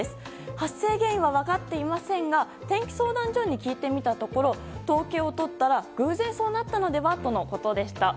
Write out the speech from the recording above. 発生原因は分かっていませんが天気相談所に聞いてみたところ統計を取ったら偶然そうなったのではとのことでした。